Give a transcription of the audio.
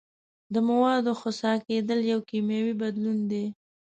د موادو خسا کیدل یو کیمیاوي بدلون دی.